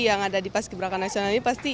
yang ada di paski beraka nasional ini pasti